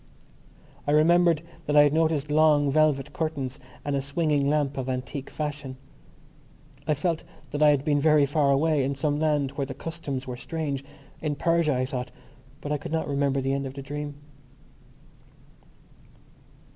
I remembered that I had noticed long velvet curtains and a swinging lamp of antique fashion. I felt that I had been very far away, in some land where the customs were strange—in Persia, I thought.... But I could not remember the end of the dream.